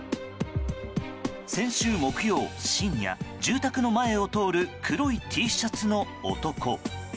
先週木曜深夜、住宅の前を通る黒いＴシャツの男。